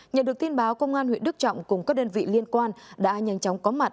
nhờ được tin báo công an huyện đức trọng cùng các đơn vị liên quan đã nhanh chóng có mặt